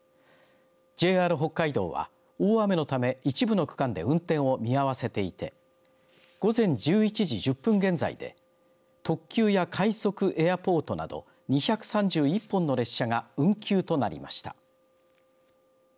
ＪＲ北海道は大雨のため一部の区間で運転を見合わせていて午前１１時１０分現在で特急や快速エアポートなど２３１本の列車が運休となりました。